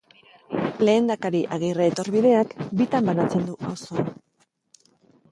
Lehendakari Agirre etorbideak bitan banatzen du auzoa.